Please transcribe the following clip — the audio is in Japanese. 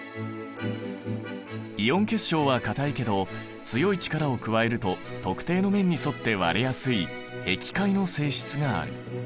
イオン結晶は硬いけど強い力を加えると特定の面に沿って割れやすいへき開の性質がある。